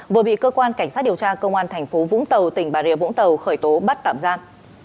vừa bị cơ quan cảnh sát điều tra công an thành phố vũng tàu tỉnh bà rịa vũng tàu khởi tố bắt tạm giam